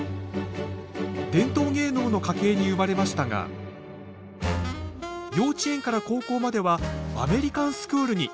伝統芸能の家系に生まれましたが幼稚園から高校まではアメリカンスクールに。